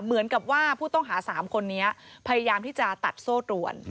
เหมือนกับว่าผู้ต้องหา๓คนนี้พยายามที่จะตัดโซ่ตรวน